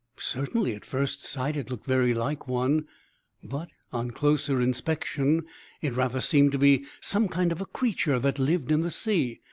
Certainly, at first sight, it looked very like one; but, on closer inspection, it rather seemed to be some kind of a creature that lived in the sea.